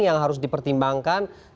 yang harus dipertimbangkan